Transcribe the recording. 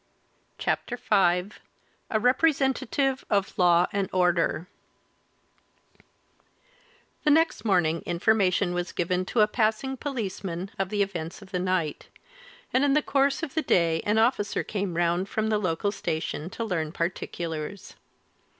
CHAPTER V A REPRESENTATIVE OF LAW AND ORDER The next morning, information was given to a passing policeman of the events of the night, and in the course of the day an officer came round from the local station to learn particulars.